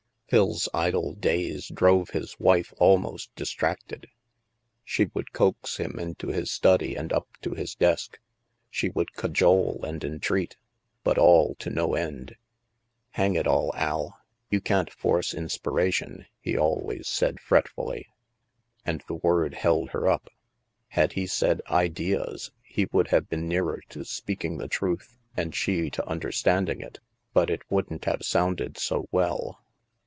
Phil's idle days drove his wife almost distracted. She would coax him into his study and up to his desk, she would cajole and entreat, but all to no end. " Hang it all, Al, you can't force inspiration," he I40 THE MASK always said fretfully, and the word held her up. Had he said " ideas " he would have been nearer to speaking the truth and she to understanding it; but it wouldn't have sounded so well.